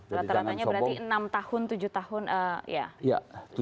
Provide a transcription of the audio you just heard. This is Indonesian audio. rata ratanya berarti enam tahun tujuh tahun